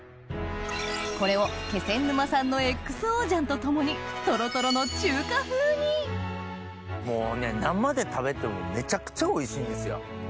これを気仙沼産のＸＯ醤と共にトロトロの中華風にもうね生で食べてもめちゃくちゃおいしいんですよ。